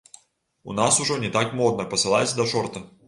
У нас ужо не так модна пасылаць да чорта.